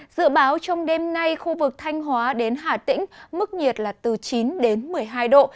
dự báo trong đêm nay khu vực thanh hóa đến hà tĩnh mức nhiệt là từ chín đến một mươi hai độ